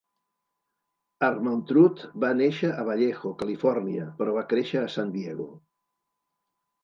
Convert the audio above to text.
Armantrout va néixer a Vallejo, Califòrnia, però va créixer a San Diego.